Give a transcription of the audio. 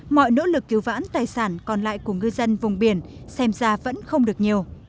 mọi nỗ lực cứu vãn tài sản còn lại của ngư dân vùng biển xem ra vẫn không được nhiều